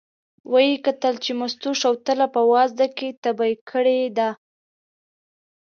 و یې کتل چې مستو شوتله په وازده کې تبی کړې ده.